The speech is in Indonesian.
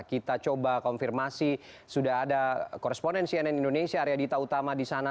kita coba konfirmasi sudah ada koresponen cnn indonesia arya dita utama di sana